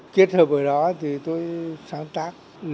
kết hợp ở đó thì tôi sáng tác